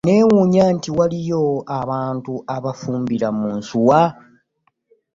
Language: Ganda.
Neewunya nti waliyo abantu abafumbira mu nsuwa..